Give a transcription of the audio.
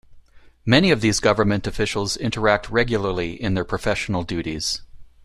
Many of these government officials interact regularly in their professional duties.